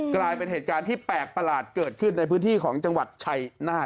กลายเป็นเหตุการณ์ที่แปลกประหลาดเกิดขึ้นในพื้นที่ของจังหวัดชัยนาธ